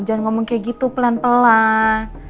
jangan ngomong kayak gitu pelan pelan